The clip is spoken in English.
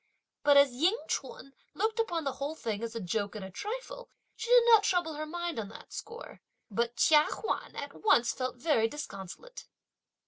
But as Ying ch'un looked upon the whole thing as a joke and a trifle, she did not trouble her mind on that score, but Chia Huan at once felt very disconsolate.